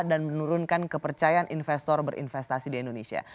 dan menurunkan kepercayaan investor berinvestasi di indonesia